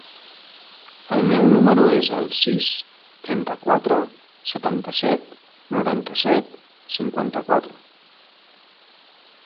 El meu número es el sis, trenta-quatre, setanta-set, noranta-set, cinquanta-quatre.